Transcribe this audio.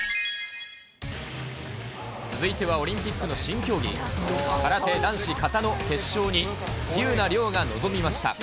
続いては、オリンピックの新競技、空手男子形の決勝に、喜友名諒が臨みました。